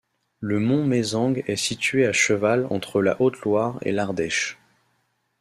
Le mont Mézenc est situé à cheval entre la Haute-Loire et l'Ardèche.